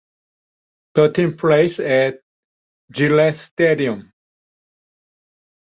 The team plays at Gillette Stadium.